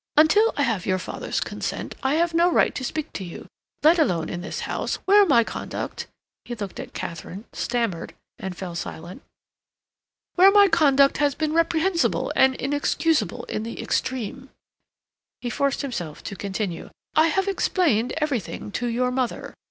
"Until I have your father's consent I have no right to speak to you—let alone in this house, where my conduct"—he looked at Katharine, stammered, and fell silent—"where my conduct has been reprehensible and inexcusable in the extreme," he forced himself to continue. "I have explained everything to your mother.